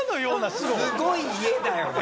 すごい家だよね。